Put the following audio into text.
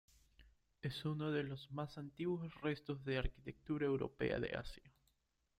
Es uno de los más antiguos restos de arquitectura europea de Asia.